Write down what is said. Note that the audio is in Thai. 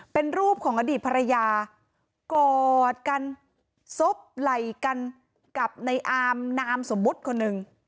เป็นรูปของอดีตภรรยากอดกันซบไหล่กันกับในอามนามสมมุติคนหนึ่ง